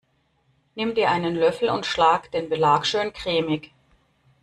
Nimm dir einen Löffel und schlag den Belag schön cremig.